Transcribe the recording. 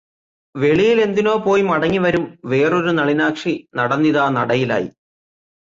വെളിയിലെന്തിനോ പോയി മടങ്ങിവരും വേറൊരു നളിനാക്ഷി നടന്നിതാ നടയിലായി.